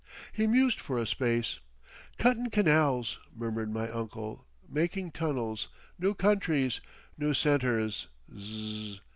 He mused for a space. "Cuttin' canals," murmured my uncle. "Making tunnels.... New countries.... New centres....